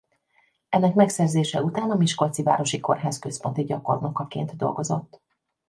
Ennek megszerzése után a miskolci városi kórház központi gyakornokaként dolgozott.